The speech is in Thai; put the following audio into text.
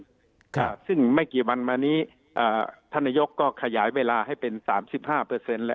ครับซึ่งไม่กี่วันมานี้อ่าท่านนายกก็ขยายเวลาให้เป็นสามสิบห้าเปอร์เซ็นต์แล้ว